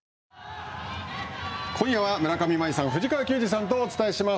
今夜は村上茉愛さん、藤川球児さんとお伝えします。